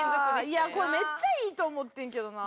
いやこれめっちゃいいと思ってんけどな。